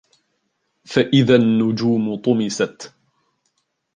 فإذا النجوم طمست